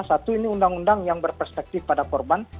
satu ini undang undang yang berperspektif pada korban